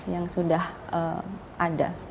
yang sudah ada